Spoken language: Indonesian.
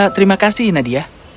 terima kasih nadia